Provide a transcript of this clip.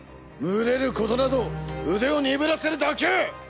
群れることなど腕を鈍らせるだけ。